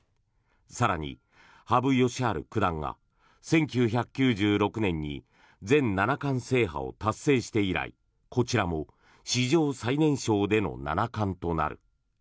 更に羽生善治九段が１９９６年に全七冠制覇を達成して以来こちらも史上最年少での七冠となる。